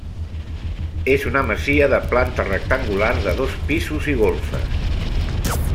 És una masia de planta rectangular de dos pisos i golfes.